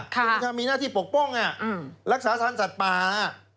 มันจะมีหน้าที่ปกป้องรักษาสรรค์สัตว์ป่า